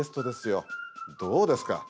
どうですか？